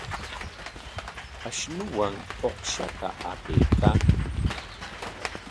Ashunuwan uqshata apaykaamun.